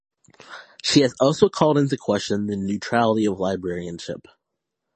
She has also called into question the neutrality of librarianship.